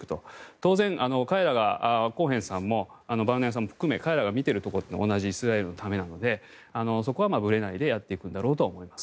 当然、彼ら、コーヘンさんバルネアさんも含め彼らが見ているところは同じイスラエルのためなのでそこはぶれないでやっていくんだろうとは思います。